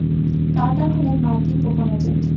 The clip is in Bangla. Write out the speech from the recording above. কার্টার হলেন মার্কিন গোপন এজেন্ট।